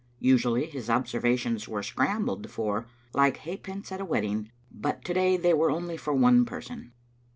Usually his observations were scrambled for, like ha'pence at a wedding, but to day they were only for one person.